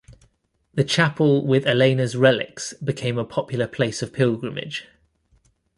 The chapel with Alena's relics became a popular place of pilgrimage.